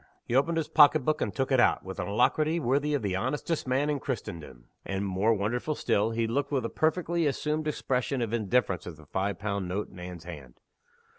He opened his pocket book, and took it out, with an alacrity worthy of the honestest man in Christendom and (more wonderful still) he looked with a perfectly assumed expression of indifference at the five pound note in Anne's hand.